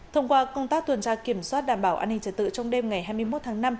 thông qua công tác tuần tra kiểm soát đảm bảo an ninh trật tự trong đêm ngày hai mươi một tháng năm